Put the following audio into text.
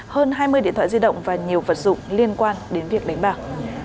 hơn hai mươi điện thoại di động và nhiều vật dụng liên quan đến việc đánh bạc